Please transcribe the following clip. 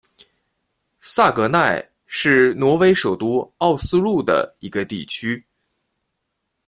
萨格奈是挪威首都奥斯陆的一个地区。